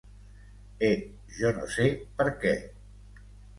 E, Jo no sé per què!